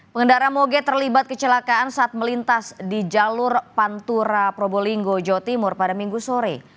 pengendara moge terlibat kecelakaan saat melintas di jalur pantura probolinggo jawa timur pada minggu sore